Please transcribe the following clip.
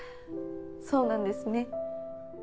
そうなんですね。